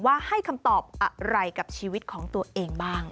ว่าให้คำตอบอะไรกับชีวิตของตัวเองบ้าง